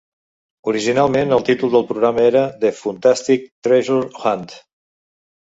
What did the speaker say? Originalment, el títol del programa era "The Funtastic Treasure Hunt".